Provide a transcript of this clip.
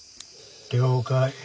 了解。